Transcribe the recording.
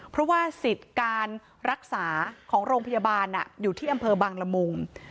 เพราะว่าสิทธิ์การรักษาของโรงพยาบาลอยู่ที่อำเภอบังละมุง